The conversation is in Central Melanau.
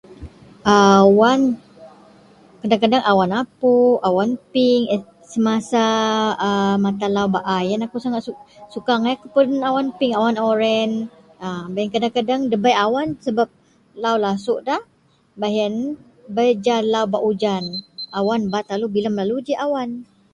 Awan kadang-kadang awan apu awan pink semasa mata lau bai lah aku suka angai peden awan sebab bai awan warna pink oren kadang-kadang debai awan sebab lau lasu awan bat lalu bilam lalu ji awan.